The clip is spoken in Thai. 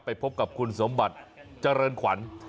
พบกับคุณสมบัติเจริญขวัญ